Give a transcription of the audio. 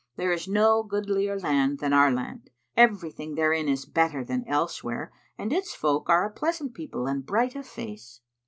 There is no goodlier land than our land; everything therein is better than elsewhere and its folk are a pleasant people and bright of face."